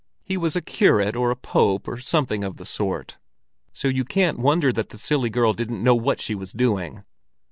He was a curate or a pope, or something of the sort, so you can't wonder that the silly girl didn't know what she was doing."